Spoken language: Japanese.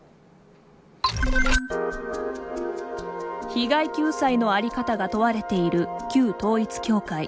被害救済のあり方が問われている旧統一教会。